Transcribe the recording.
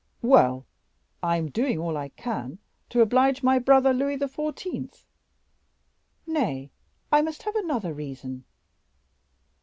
"Well, I am doing all I can to oblige my brother, Louis XIV." "Nay, I must have another reason."